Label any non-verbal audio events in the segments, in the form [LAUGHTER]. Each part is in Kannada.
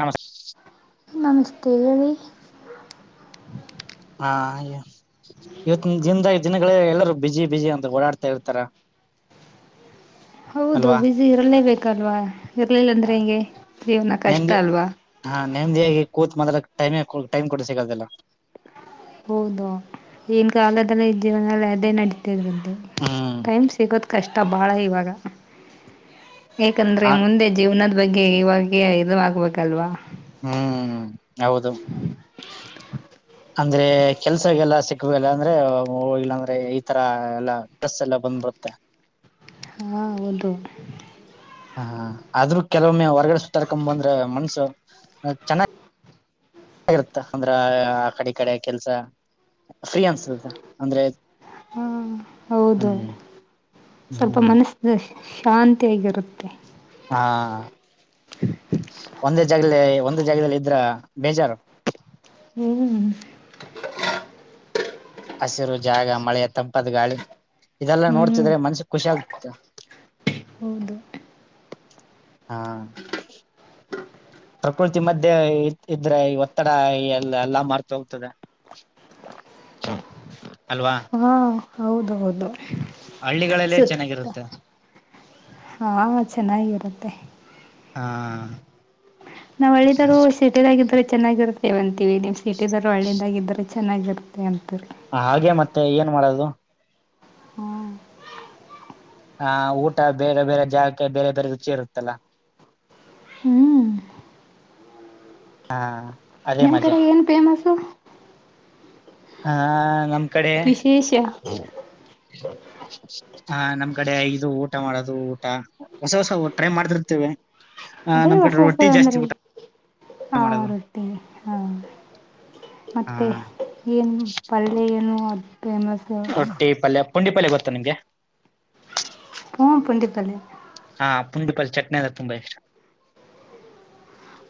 ನಮಸ್ ಕೋಳಿ ಹಾ ಇವತ್ತು ಜಿಂದ ದಿನಗಳೇ ಎಲ್ಲರುೂ ಬಿಿಸಿಿ ಬಿಿಸಿಿ ಅಂತ ಓಡಾಡ್ತಾ ಇರ್ತಾರ ಹೌದು ಅಲ್ವಾ ಬಿಸಿ ಇರಲೇಬೇಕಲ್ವಾ ಇರ್ಲಿಲ್ಲ ಅಂದ್ರೆ ಹೆಿಂಗೆ ಜೀವನ ಕಷ್ಟ ನೆಮ್ಮದಿ ಅಲ್ವಾ ಟೈಮ ಟೈಮ್ ಕೊಡ ಸಿಕ್ಕದಿಲ್ಲ ಹೌದ ಏನ್ ಕಾಲದಲ್ಲ ಈ ಜೀವನಲ್ಲ ಅದೇ ನಡೀತಿದ್ರಿ ದು ಹ್ಮ್ ಟೈಮ್ ಸಿಗೋದು ಕಷ್ಟ ಬಾಳ ಇವಾಗ ಯಾಕಂದ್ರೆ ಆ ಮುಂದೆ ಜೀವನದ ಬಗ್ಗೆ ಇವಾಗ ಇದು ಆಗ್ಬೇಕಲ್ವಾ ಹ್ಮ್ ಹೌದು ಅಂದ್ರೆ ಕೆಲ್ಸಗೆಲ್ಲ ಸಿಕ್ುವಲ್ಲ ಅಂದ್ರೆ ಹೋಗ್ಿಲ್ಲ ಅಂದ್ರೆ ಈತರ ಎಲ್ಲಾ ಡ್ರೆಸ್ ಎಲ್ಲ ಬಂದ ಬತ್ತ ಹಾ ಹೌದು ಹ ಆದ್ರೂ ಕೆಲವೊಮ್ಮೆ ಹೊರಗಡೆ ಸತಾರ್ಕೊ ಬಂದ್ರೆ ಮನ್ಸು ಚೆನ್ನಾಗ ಚೆನ್ನಾಗಿ ರುತ್ತ ಅಂದ್ರ ಆ ಕಡೆ ಕಡೆ ಕೆಲ್ಸ ಫ್ರೀ ಅನ್ಸ ಅಂದ್ರೆ ಹಾ ಹೌದು ಹ್ಮ್ ಸ್ವಲ್ಪ ಹ್ಮ್ ಮನಸ್ದ ಶಾಂತಿಯಾಗಿರುತ್ತೆ ಹಾ ಒಂದೇ ಜಾಗದಲ್ಲಿ ಒಂದೇ ಜಾಗದಲ್ಲಿ ಇದ್ರ ಬೇಜಾರು ಹ್ಮ್ ಹಸಿರು ಜಾಗ ಮಳೆಯ ತಂಪತ್ ಗಾಳಿ ಇದೆಲ್ಲ ಹ್ಮ್ ನೋಡ್ತಿದ್ರೆ ಮನ್ಸ ಖುಷಿ ಆಾಗತ್ತ ಹೌದು ಹಾ ಪ್ರಕೃತಿ ಮಧ್ಯೆ ಇದ್ರೆ ಈ ಒತ್ತಡ ಎಲ್ಲ ಎಲ್ಲಾ ಮಾರ್ತ ಹೋಗ್ತದೆ ಹ ಹಾ ಹೌದ ಹೌದು ಹಳ್ಳಿಗಳಲ್ಲೇ ಸುತ್ತ ಚೆನ್ನಾಗಿರುತ್ತೆ ಹಾ ಚೆನ್ನಾಗಿರುತ್ತೆ ಹ ನಾವ್ ಹಳ್ಳಿದರು ಸಿಟಿದಾಗಿದರೆ ಚೆನ್ನಾಗಿರುತ್ತೇ ಅಂತೀವಿ ನೀಮ್ ಸಿಟಿದರು ಹಳ್ಳದಾಗಿದ್ರೆ ಚೆನ್ನಾಗಿರುತ್ತೆ ಅಂತ ಹಾಗೆ ಮತ್ತೆ ಏನ್ ಮಾಡೋದು ಹ್ಮ್ ಹ ಊಟ ಬೇರೆ ಬೇರೆ ಜಾಗಕ್ಕೆ ಬೇರೆ ಬೇರೆ ರುಚಿ ಇರುತ್ತಲ್ಲ ಹ್ಮ್ ಹಾ ನಮ್ಮ್ ಕಡೆ ಏನ್ ಫೇಮಸು ಹಾ ನಮ್ಮ್ ಕಡೆ ವಿಶೇಷ ಹ ನಮ್ ಕಡೆ ಇದು ಊಟ ಮಾಡೋದು ಊಟ ಹೊಸ ಹೊಸ ಟ್ರೈ ಮಾಡ್ತಿಿರ್ತೇವೆ ಅದೇ ಹೊಸ ಹೊಸದ ಅಂದ್ರೆ ಆ ಮಾಡೋದು ರೊಟ್ಟಿ ಹಾ ಹಾ ಮತ್ತುೆ ಏನು ಪಲ್ಲೆ ಏನು ಅದು ಫೇಮಸ್ ಪಂಡಿಪಲ್ಲಿ ಗೊತ್ತಾ ನಿಮಗೆ ಪ ಪುಂಢಿಪಲ್ಲೆ ಹಾ ಪುಂಡಿಪಲ್ ಚಟ್ನಿ ಅಂದ್ರ ತುಂಬಾ ಇಷ್ಟ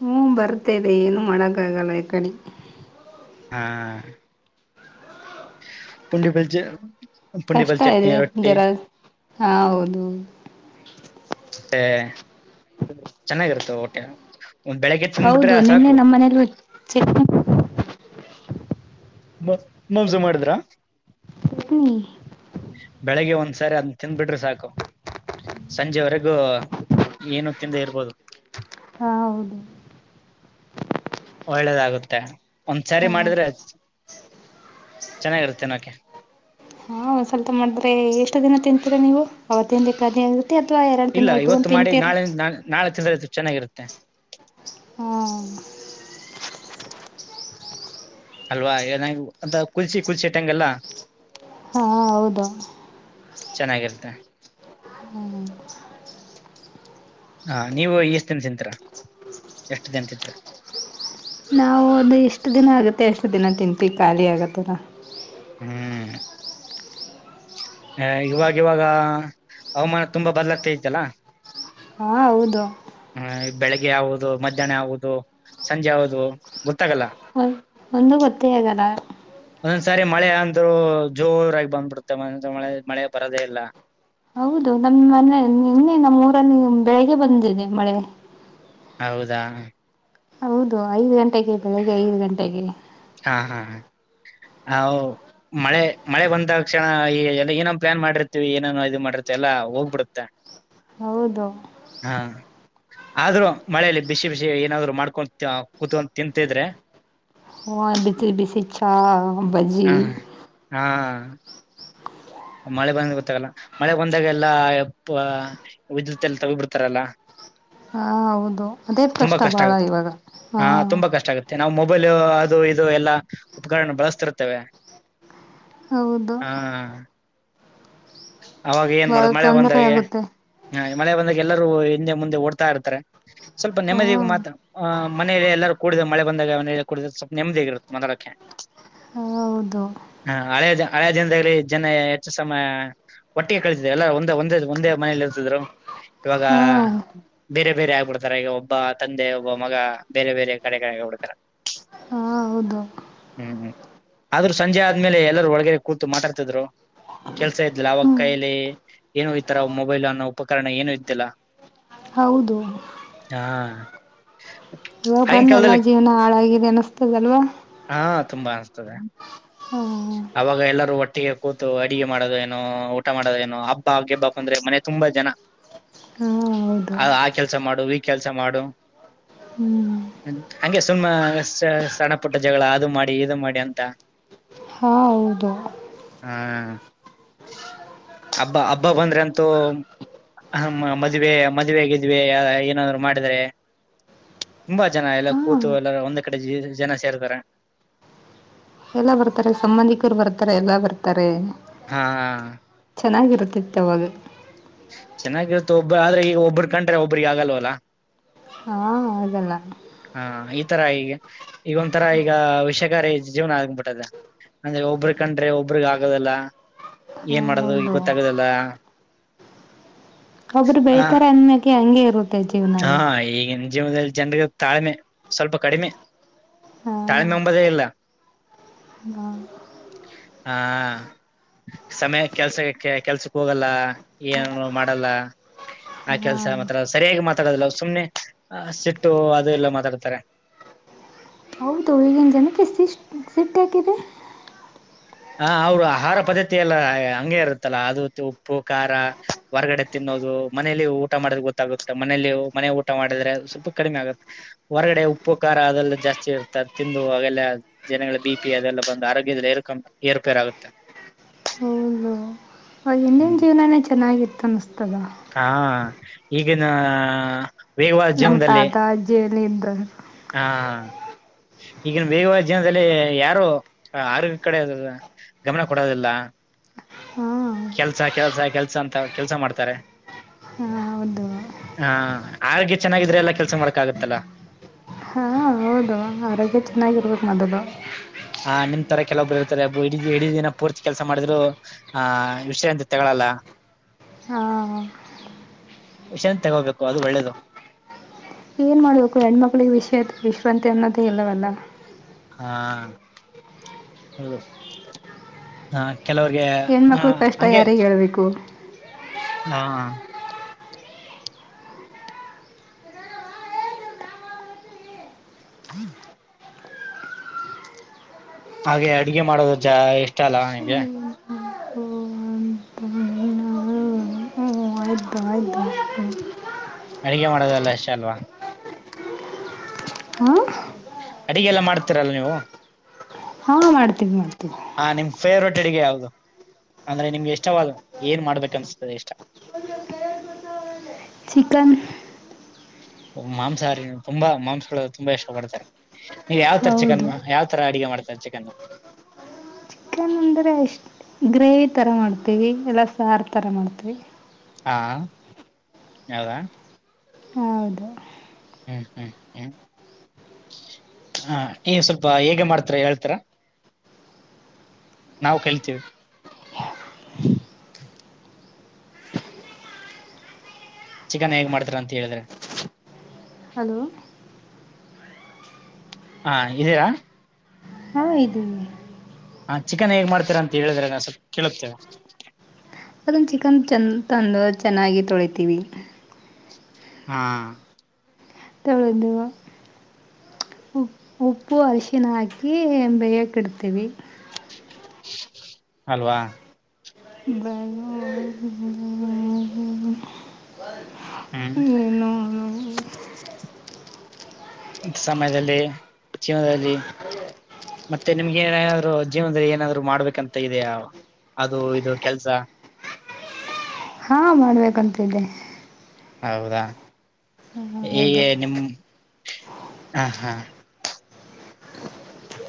ಹ್ಞ ಬರ್ತೇದೆ ಏನು ಮಾಡಕ್ಕ ಆಗಲ್ಲ ಕಡೆ ಹಾ ಪುಜೆ ಬೆಲ್ಜಿಯಂ ಕಷ್ಟ ಇದೆ ಜರ ಹಾ ಹೌದುೌದು ಹ ಚೆನ್ನಾಗಿರುತ್ತೆ ಊಟ ಹ ಬೆೇಳಳಗೆ ತಿನ್ನಿಬಿಟ್ ರ ಹೌದು ಸಕ ನಿನ್ನೆ ನಮ್ಮ ಮನೇಲಿ ಚಟ್ನಿ ಮ ಮಾಂಸ ಜುಮಾಡಿದ್ರ [UNINTELLIGIBLE] ಬೆಳಿಗ್ಗೆ ಒಂದ್ಸಾರಿ ಅಂತ ತಿಿಂದ ಬಿಿಡ್ರಿ ಸಾಕು ಸಂಜೆವರೆಗೂ ಏನು ತಿಂದ ಇರ್ಬೋದು [INAUDIBLE] ಹಾ ಹೌದು ಒಳ್ಳೆದಾಗುತ್ತೆ ಒಂದ್ಸಾರಿ ಹಾ ಮಾಡಿದ್ರೆ ಚೆನ್ನಾಗಿರುತ್ತೆ ನೋಕೆ ಹ ಒಂದ ಸ್ವಲ್ಪ ಮಾಡಿದ್ರೆ ಎಷ್ಟು ದಿನ ತಿಂತೀರ ನೀವು ಅವ ದಿನ ಅಥವಾ ಎರಡು ಇಲ್ಲ ದಿನ ಇವತ್ತು ಇಟ್ಕೊಂಡು ಮಾಡಿ ತಿಂತೀರ ನಾಳೆ ನಾಳೆ ಚೆನ್ನಾಗಿರುತ್ತೆ ಹಾ ಅಲ್ವಾ ಅಂತ ಕುಲ್ಚಿ ಕುಲ್ಚಿಟ್ಟಂಗಗೆಲ್ಲ ಹಾ ಹೌದು ಹ್ಮ [UNINTELLIGIBLE] ಹಾ ನೀವು ಎಷ್ಟ ದನ್ ತಿಂತರ ಎಷ್ಟ ದಿನ ತತ್ರ ಹ ಅದು ಎಷ್ಟು ದಿನ ಆಗುತ್ತೆ ಅಷ್ಟು ದಿನ ತಿಂತುವಿ ಖಾಲಿ ಆಗುತ್ತೆದ ಹ್ಮ್ ಹ ಇವಾಗವಾಗ ಹವಾಮಾನ ತುಂಬಾ ಬದ್ಲತ್ತೆ ತಲ್ಲ ಹಾ ಹೌದು ಬೆಳಿಗ್ಗೆ ಆವದು ಮಧ್ಯಾಹ್ನ ಆಗದು ಸಂಜೆ ಹೌದು ಒ ಒಂದು ಗೊತ್ತೇ ಆಗಾರ ಸರಿ ಮಳೆ ಅಂದ್ರರು ಜೋರಾಗಿ ಬಂದ್ಬಿಡುತ್ತೆ ಮ ಮಳೆ ಮಳೆ ಬರದೇ ಇಲ್ಲ ಹೌದು ನಮ್ಮ ಮನೆ ಇನ್ನೆ ನಮ್ಮೂರಲ್ಲಿ ಬೆಳಿಗ್ಗೆ ಬಂದಿದೆ ಮಳೆ ಹೌದಾ ಹೌದು ಐದ್ ಗಂಟೆಗೆ ಬೆಳಿಗ್ಗೆ ಐದು ಗಂಟೆಗೆ ಹಾ ಹಾ ಹೌ ಮಳೆ ಮಳೆ ಬಂದಕ್ಷಣ ಈ ಎಲ್ಲ ಏನೋ ಪ್ಲಾನ್ ಮಾಡಿರ್ತಿವಿ ಏನನೋ ಇದು ಮಾಡಿರ್ತಿವಿ ಎಲ್ಲಾ ಹೋಗ್ಬಿಡುತ್ತ ಹೌದು ಆದ್ರೂ ಮಳೇಲಿ ಬಿಸಿ ಬಿಸಿ ಏನಾದ್ರು ಮಾಡ್ಕೊ ಕೂತ್ಕೊಂಡ ತಿಂತಿದ್ರೆ ಹ ಬಿಸಿ ಬಿಸಿ ಛಾ ಹ ಹಾ ಮಳೆ ಬಂದ ಗೊತ್ತಾಗಲ್ಲ ಮಳೆ ಬಂದಾಗ ಎಲ್ಲಾ ವಿದ್ಯುತ್ ಎಲ್ಲ ತಗಿ ಬಿಡ್ತಾರಲ್ಲ ಹಾ ಹೌದು ಅದೇ ಕಷ್ಟ ಬಾಳ ಇವಾಗ ಹಾ ತುಂಬಾ ಕಷ್ಟ ಆಗುತ್ತೆ ನಾವು ಮೊಬೈಲ್ ಅದು ಇದು ಎಲ್ಲಾ ಉಪಕರಣನ ಬಳಸ್ತಿರ್ತೇವೆ ಹೌದು ಹಾ ಅವಾಗ ಏನ್ ಬಹಳ ಮಾಡುದು ಮಳೆ ತೊಂದರೆ ಬಂದರೆ ಆಗುತ್ತೆ ಮಳೆ ಬಂದ ಎಲ್ಲರೂ ಹಿಂದೆ ಮುಂದೆ ಓಡ್ತಾ ಇರ್ತಾರೆ ಸ್ವಲ್ಪ ನೆದಿ ಹಾಂ ಮಾತ್ರ ಮನೆಯಲ್ಲಿ ಎಲ್ಲಾರೂ ಕಡಿದ ಮಳೆ ಬಂದಾಗ ಮನೆಯಲ್ಲಿ ಕೂಡಿದ್ರ ಸ್ವಲ್ಪ ನೆಮ್ಮದಿಯಾಗಿಿರುತ್ತೆ ಮೊಲಕ್ಕೆ ಹೌದು ಹಾ ಹಳೆ ಹಳೆ ದಿನದಲ್ಲಿ ಜನ ಹೆಚ್ಚು ಸಮಯ ಒಟ್ಟಿಗೆ ಕಳಿತರು ಎಲ್ಲ ಒಂದೇ ಒಂದೇ ಒಂದೇ ಮನಲಿ ಇರ್ತಿದ್ರು ಇವಾಗ ಹಾಂ ಬೇರೆ ಬೇರೆ ಆಗ್ಬಿಡ್ತಾರ ಈಗ ಒಬ್ಬ ತಂದೆ ಒಬ್ಬ ಮಗ ಬೇರೆ ಬೇರೆ ಕಡೆ ಕಡೆ ಆಗ್ಬಿಡ್ತಾರ [INAUDIBLE] ಹಾಂ ಹೌದು ಹ್ಮ್ ಆದ್ರೂ ಸಂಜೆ ಆದ್ಮೇಲೆ ಎಲ್ಲರೂ ಒಳಗಡೆ ಕೂತು ಮಾತಾಡ್ತಿದ್ರು ಕೆಲ್ಸ ಇದ್ದಿಲ್ಲ ಅವಾಗ ಹ್ಞೂ ಕೈಲಿ ಏನು ಈ ತರ ಮೊಬೈಲ್ ಅನ್ನೋ ಉಪಕರಣ ಏನು ಇದ್ದಿಲ್ಲ ಹೌದು ಹಾ ಇವಾಗ ಆಗಿನ ಬಂದ ಎಲ್ಲಾ ಕಾಲದಲ್ಲಿ ಜೀವನ ಹಾಳಾಗಿದೆ ಅನಿಸತದಲ್ವಾ ಹಾ ತುಂಬಾ ಅನ್ಸತದೆ ಅವಾಗ ಎಲ್ಲರೂ ಒಟ್ಟಿಗೆ ಕೂತು ಅಡಿಗೆ ಮಾಡೋದು ಏನೋ ಊಟ ಮಾಡೋದೇಏನೋ ಹಬ್ಬ ಗೆಬ್ಬಾ ಅಂದ್ರೆ ಮನೆ ತುಂಬಾ ಜನ ಹಾಂ ಹೌದು ಆ ಆ ಕೆಲ್ಸ ಮಾಡು ಈ ಕೆಲ್ಸ ಮಾಡು ಹ್ಞೂ ಹಗೆ ಸುಮ್ಮ್ ಎಷ್ಟ ಸಣ್ಣ ಪುಟ್ಟ ಜಗಳ ಅದು ಮಾಡಿ ಇದು ಮಾಡಿ ಅಂತ ಹೌದ ಹಾ ಹಬ್ಬಾ ಹಬ್ಬ ಬಂದ್ರೆ ಅಂತೂ ಹ ಮದ್ವೆ ಮದ್ವೆ ಗಿದ್ವಿ ಏನಾದ್ರು ಮಾಡಿದ್ರ ತುಂಬಾ ಜನ ಎಲ್ಲ ಹಾಂ ಕೂತು ಎಲ್ಲಾರ ಒಂದ್ ಕಡೆ ಜನ ಸೇರ್ತಾರೆ ಎಲ್ಲಾ ಬರ್ತಾರೆ ಸಂಬಂಧಿಕರು ಬರ್ತಾರೆ ಎಲ್ಲಾ ಬರ್ತಾರೆ ಹಾ ಚೆನ್ನಾಗಿರುತ್ತತ್ತುವಾಗ ಚೆನ್ನಾಗಿರುತ್ತೆ ಒಬ್ಬ ಆದ್ರೆ ಈಗ ಒಬ್ಬ್ರ ಕಂಡ್ರೆ ಒಬ್ಬ್ರಗ ಆಗಲ್ವಲ್ಲ ಹ ಅದೆಲ್ಲ ಹಾ ಈ ತರ ಈಗ ಈಗ ಒಂಥರ ಈಗ ವಿಷಕಾರಿ ಜೀವನ ಆಗ್ಬಿಟ್ಟದೆ ಅಂದೆ ಒಬ್ರ ಕಂಡ್ರೆ ಒಬ್ರಗ್ ಆಗದಲ್ಲ ಹಾಂ ಏನ್ ಮಾಡದು ಈ ಹೌದು ಗೊತ್ತಾಗುದಲ್ಲ ಒಬ್ಬರು ಬೆಳಳ್ತಾರ ಅನ್ಕ ಹಂಗೆ ಇರುತ್ತೆ ಜೀವನ ಹಾ ಅದು ಈಗಿನ ಜೀವನದಲ್ಲಿ ಜನರಿಗೆ ತಾಳ್ಮೆ ಸ್ವಲ್ಪ ಕಡಿಮೆ ಹಾಂ ತಾಳ್ಮೆಂಬದೇ ಇಲ್ಲ ಹಾಂ ಹ ಸಮಯ ಕೆಲ್ಸಕ್ಕೆ ಕೆಲ್ಸಕ್ ಹೋಗಲ್ಲ ಏನುನು ಮಾಡಲ್ಲ ಆ ಕೆಲ್ಸ ಹಾಂ ಮತ್ರ ಸರಿಯಾಗಿ ಮಾತಾಡದಿಲ್ಲ ಸುಮ್ನೆ ಸಿಟ್ಟು ಅದು ಎಲ್ಲ ಮಾತಾಡ್ತಾರೆ ಅವು ದೂಳಗೆಜನ ಕಸಿ ಸಿೀಟೆಕ್ಕೆತೆ ಹ ಅವರು ಆಹಾರ ಪದ್ಧತಿಿಯ ಎಲ್ಲ ಹಂಗಗೆ ಇರುತ್ತಲ್ಲಾ ಅದು ಉಪ್ಪು ಖಾರ ಹೊರಗಡೆ ತಿನ್ನು ಮನೇಲಿ ಊಟ ಮಾಡೆ ಗೊತ್ತಾಗೆ ಮನೆಯಲ್ಲಿ ಮನೆ ಊಟ ಮಾಡಿದ್ರೆ ಸ್ವಲ್ಪ ಕಡಿಮೆ ಆಗುತ್ತೆ ಹೊರಗಡೆ ಉಪ್ಪು ಖಾರ ಅದೆಲ್ಲ ಜಾಸ್ತಿ ಇರ್ತದೆ ತಿಂದು ಅವೆಲ್ಲ ಜನಗಳ ಬಿ ಪಿ ಅದೆಲ್ಲ ಬಂದು ಆರೋಗ್ಯದಲ್ಲಿ ಇರ್ಕ ಏರ್ಪೇರಾಗುತ್ತೆ ಅವ ಇಿಂದಿನ ಜೀವನೇ ಚೆನ್ನಾಗಿತ್ತ ಅನ್ನಿಸ್ತು ಹಾ ಈಗಿನ ವೇಗವಾದ ನಮ್ಮ ಜೀವನದಲ್ಲಿ ತಾತ ಅಜ್ಜಿ ಎಲ್ಲ ಇದ್ದರು ಹಾ ಹಾ ಈಗಿನ ಬೇಗವ ಜೀನದಲ್ಲಿ ಯಾರು ಆರೋಗ್ಯ ಕಡೆ ಅದ ಗಮನ ಕೊಡೋದಿಲ್ಲ ಹಾಂ ಕೆಲ್ಸ ಕೆಲ್ಸ ಕೆಲ್ಸ ಅಂತ ಕೆಲ್ಸ ಮಾಡ್ತಾರೆ ಹೌದು ಹಾ ಆರೋಗ್ಯ ಚೆನ್ನಾಗಿದ್ರೆ ಎಲ್ಲ ಕೆಲ್ಸ ಮಾಡ್ಕ ಆಾಗತ್ತಲ್ಲ ಹಾಂ ಹೌದು ಆರೋಗ್ಯ ಚೆನ್ನಾಗಿರ್ಬೇಕೋದು ಮೊದಲು ಹ ನಿಮ್ ತರ ಕೆಲೊಬ್ರು ಇರ್ತಾರೆ ಇಡ ಇಡೀ ದಿನ ಪೂರ್ತಿ ಕೆಲಸ ಮಾಡಿದ್ರು ಆ ವಿಷಯ ಅಂತ ತಗ ಲ್ಲಾ ಹಾಂ ವಿಷನ್ ತಗೋಬೇಕು ಅದು ಒಳ್ಳೇದು ಮಾಡ್ಬೇಕು ಹೆಣ್ಮಕ್ಳಿಗೆ ವಿಷಯ ವಿಶ್ರಾಂತಿ ಅನ್ನೋದೇ ಇಲ್ಲವಲ್ಲ ಹಾ ಹೌದು ಹಾ ಕೆಲವ್ರಿಗೆ ಹ ಹೆಣ್ಮಕ್ಳ ಕಷ್ಟ ಹಗೆ ಯಾರಿಗೆ ಹೇಳಬೇಕು ಹಾ ಹಾಗೆ ಅಡ್ಗೆ ಮಾಡೋದು ಜ ಇಷ್ಟ ಅಲ್ಲ ನಿಂಗೆ ಹ್ಞೂ, ಆಯಿತು ಆಯಿತು ಅಡಗೆ ಮಾಡೋದಲ್ಲ ಅಷ್ಟೇ ಅಲ್ವಾ ಹಾಂ ಅಡಿಗೆ ಎಲ್ಲ ಮಾಡ್ತೀರಲ್ಲ ನೀವು ಹಾ ಮಾಡ್ತೀವಿ ಮಾಡ್ತೀವಿ ಗೆ ಯಾದು ಅಂದ್ರೆ ನಿಮ್ಗೆ ಇಷ್ಟವಾದ ಏನ್ ಮಾಡ್ಬೇಕ ಅನ್ಸತದೆ ಇಷ್ಟ ಚಿಕನ್ ಮಾಂಸಾಹಾರಿ ತುಂಬಾ ಮಾಂಸಗಳು ತುಂಬಾ ಇಷ್ಟ ಪಡ್ತಾರೆ ನೀವ ಯಾವ್ ತರ ಚಿಕನ್ ಹೌದು ಯಾವ್ ತರ ಅಡಗೆ ಮಾಡ್ತಾರೆ ಚಿಕನ್ ಂದ್ರರೆ ಎಷ್ಟು ಗ್ರೇವಿ ಥರ ಮಾಡ್ತೀವಿ ಎಲ್ಲ ಸಾರು ಥರ ಮಾಡ್ತೀವಿ ಹಾ ಯಾವದಾ ಹೌದು ಹ್ಮ್ ಹ್ಮ್ ಹ್ಮ್ ಹ ನೀ ಸ್ವಲ್ಪ ಹೇಗೆ ಮಾಡ್ತಾರ ಹೇಳ್ತಾರ ನಾವು ಕೇಳ್ತೀವಿ ಚಿಕನ್ ಹೇಗ್ ಮಾಡ್ತಾರ ಅಂತ ಹೇಳಿದ್ರೆ ಹಲೋ ಹಾ ಇದೀರಾ ಹಾ ಇದುೀ ಹಾ ಚಿಕನ್ ಹೇಗ್ ಮಾಡ್ತಾರ ಅಂತ ಹೇಳಿದ್ರೆ ನಾ ಸ್ವಲ್ಪ ಕೇಳಕ್ತೇವೆ ಅದೊನ್ನ ಚಿಕನ್ ಚೆಂದ ತಂದು ಚೆನ್ನಾಗಿ ತೊಳಿತೀವಿ ಹಾ [UNINTELLIGIBLE] ತಳದುುವ ಉಪ್ಪು ಅರಿಶಿನ ಹಾಕಿ ಬೇಯ್ಯಕ್ಕಿಡ್ತೀವಿ. ಅಲ್ವಾ. ಹ್ಮ್ ಏನು ಸಮಯದಲ್ಲಿ ಜೀವನ್ದಲ್ಲಿ. ಮತ್ತೆ ನಿಮ್ಗೆ ಏನನಾದ್ರು ಜೀವನದಲ್ಲಿ ಏನಾದ್ರು ಮಾಡ್ಬೇಕಂತ ಇದೆಯ. ಅದು ಇದು ಕೆಲ್ಸ. ಹಾ ಮಾಡ್ಬೇಕೂ ಅಂತ ಇದೆ. ಹೌದಾ? ಹೌದು ಹೀಗೆ ನಿಮ್ ಹ ಹಾ.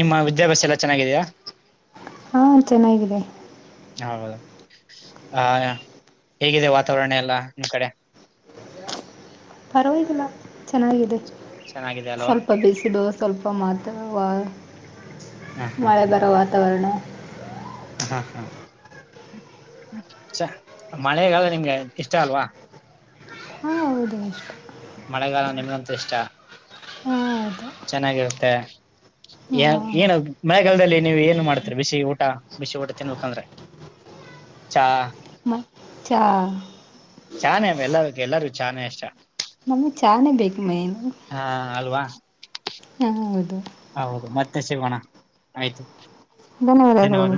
ನಿಮ್ಮ ವಿದ್ಯಾಭ್ಯಾಸ ಎಲ್ಲ ಚೆನ್ನಾಗಿದೆಯಾ? ಹಾ ಚೆನ್ನಾಗಿದೆ. ಹೌದು ಆ ಹೇಗಿದೆ ವಾತಾವರಣ ಎಲ್ಲ ನಿಮ್ಮ್ ಕಡೆ? ಪರವಾಗಿಲ್ಲ ಚೆನ್ನಾಗಿದೆ ಚೆನ್ನಾಗಿದೆ ಅಲ್ವಾ ಸ್ವಲ್ಪ ಬಿಸಿಲು. ಸ್ವಲ್ಪ ಮಾತ್ರ ವ ಹ ಮಳೆ ಬರೋ ವಾತಾವರಣ. ಹಾ ಹಾ ಮಳೆಗಾಲ ನಿಮ್ಗೆ ಇಷ್ಟ ಅಲ್ವಾ. ಹಾಂ ಹೌದು ಅಷ್ಟು. ಮಳೆಗಾಲ ನಿಮ್ಗಂತೂ ಇಷ್ಟ ಹಾಂ ಹೌದು ಚೆನ್ನಾಗಿರುತ್ತೆ. ಹಾಂ ಏನು ಮಳಗಾಲದಲ್ಲಿ ನೀವು ಏನ್ ಮಾಡ್ತರಿ ಬಿಸಿ ಊಟ ಬಿಸಿ ಊಟ ತಿನ್ಬೇಕಂದ್ರೆ. ಚಾ ಚಾ ಚಾನೇ ಅ ಎಲ್ಲ ಎಲ್ಲಾರಗೂ ಚಾನೆ ಇಷ್ಟ. ನಮ್ಗೆ ಚಾನೇ ಬೇಕು ಮೖನ್. ಹಾ ಅಲ್ವಾ ಹೂಂ ಹೌದು. ತ್ತೆ ಸಿಗೋಣ ಆಯ್ತು. ಧನ್ಯವಾದ ಧನ್ಯವಾದಗಳು.